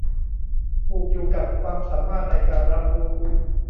ผูกอยู่กับความสามารถในการรับรู้